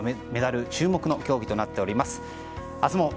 メダル注目の競技となっています。